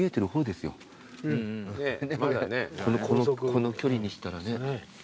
この距離にしたらね。